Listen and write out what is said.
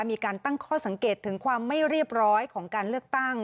มีการตั้งข้อสังเกตถึงความไม่เรียบร้อยของการเลือกตั้ง